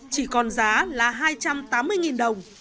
chỉ còn giá là hai trăm tám mươi đồng